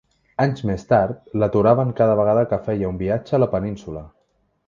Anys més tard, l’aturaven cada vegada que feia un viatge a la península.